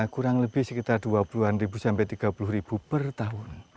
kurang lebih sekitar dua puluh tiga puluh ribu per tahun